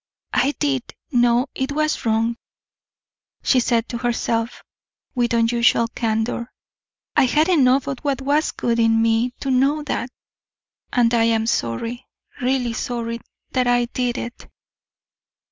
"I did know it was wrong," she said to herself, with unusual candor; "I had enough of what was good in me to know that, and I am sorry, really sorry that I did it."